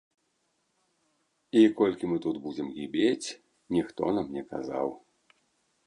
І колькі мы тут будзем гібець, ніхто нам не казаў.